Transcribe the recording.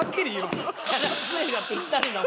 「しゃらくせぇ」がぴったりな男。